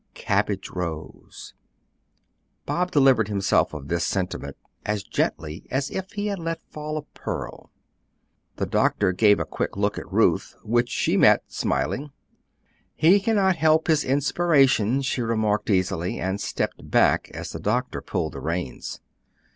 "Cabbage rose." Bob delivered himself of this sentiment as gently as if he had let fall a pearl. The doctor gave a quick look at Ruth, which she met, smiling. "He cannot help his inspiration," she remarked easily, and stepped back as the doctor pulled the reins.